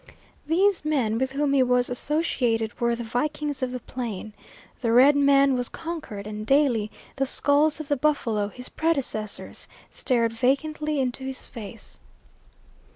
These men with whom he was associated were the vikings of the Plain. The Red Man was conquered, and, daily, the skulls of the buffalo, his predecessors, stared vacantly into his face.